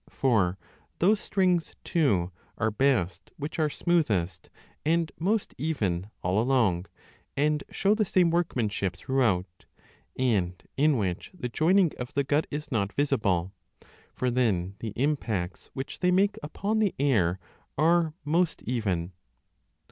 For those strings too are best which are smoothest and most even all along, and show 1 15 the same workmanship throughout, and in which the joining of the gut is not visible; for then the impacts which they make upon the air are most even.